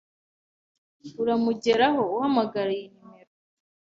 Uramugeraho uhamagara iyi nimero.